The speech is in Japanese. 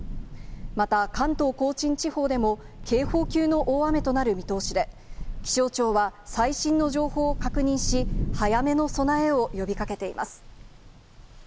また、関東甲信地方でも、警報級の大雨となる見通しで、気象庁は、最新の情報を確認し、早めの備えを呼びかけています。